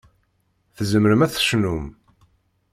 Tzemrem ad tecnum.